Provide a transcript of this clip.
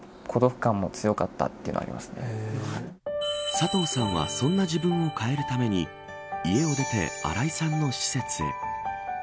佐藤さんはそんな自分を変えるために家を出て荒井さんの施設へ。